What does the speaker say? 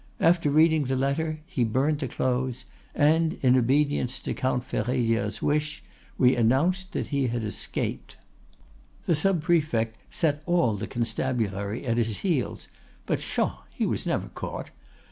After reading the letter, he burnt the clothes, and, in obedience to Count Férédia's wish, we announced that he had escaped. "'The sub prefect set all the constabulary at his heels; but, pshaw! he was never caught.